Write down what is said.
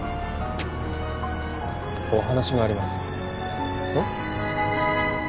お話がありますえっ？